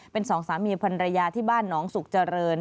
เป็นสองสามีพันรยาที่บ้านหนองสุขเจริญ